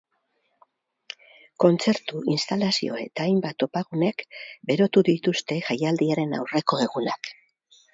Kontzertu, instalazio eta hainbat topagunek berotu dituzte jaialdiaren aurreko egunak.